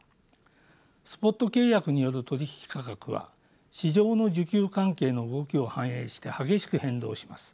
スポット契約による取引価格は市場の需給関係の動きを反映して激しく変動します。